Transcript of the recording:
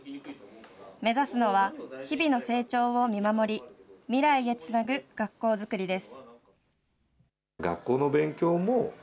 目指すのは、日々の成長を見守り、未来へつなぐ学校作りです。